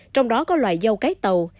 trong đó có loài dâu cái tàu